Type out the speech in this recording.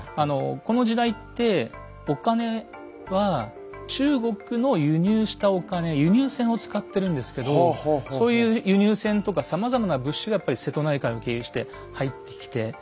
この時代ってお金は中国の輸入したお金「輸入銭」を使ってるんですけどそういう輸入銭とかさまざまな物資がやっぱり瀬戸内海を経由して入ってきて。